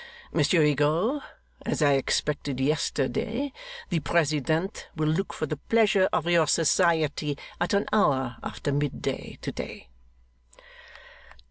Monsieur Rigaud, as I expected yesterday, the President will look for the pleasure of your society at an hour after mid day, to day.